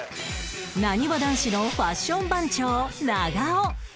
なにわ男子のファッション番長長尾